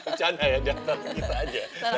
bercanda ya diantara kita aja